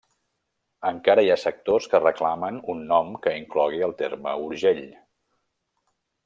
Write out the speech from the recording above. Encara hi ha sectors que reclamen un nom que inclogui el terme Urgell.